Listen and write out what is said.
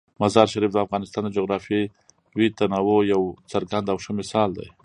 مزارشریف د افغانستان د جغرافیوي تنوع یو څرګند او ښه مثال دی.